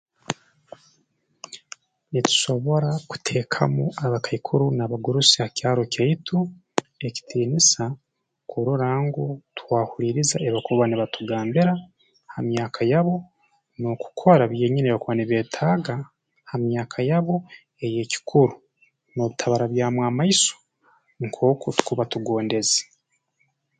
Nitusobora kuteekamu abakaikuru n'abagurusi ha kyaro kyaitu ekitiinisa kurora ngu twahuliiriza ebi bakuba nibatugambira ha myaka yabo n'okukora byenyini ebi bakuba nibeetaaga ha myaka yabo ey'ekikuru n'obutabarabyamu amaiso nkooku tukuba tugondeze